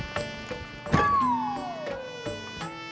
ya jadi apa saja